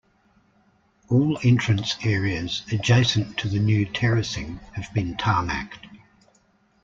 All entrance areas adjacent to the new terracing have been tarmacked.